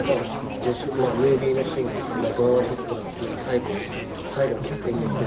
まあムービーのシーンがあってドラマチックなもう最後最後の決戦に行く。